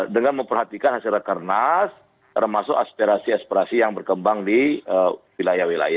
dengan memperhatikan hasilnya karnas termasuk aspirasi aspirasi yang berkembang di wilayah wp